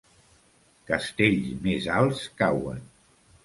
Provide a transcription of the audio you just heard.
Castells més alts cauen.